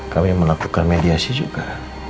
kami melakukan mediasi juga